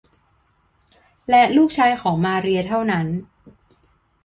และลูกชายของมาเรียเท่านั้น